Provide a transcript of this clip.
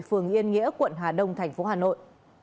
phường yên nghĩa quận hà đông thành phố hà nội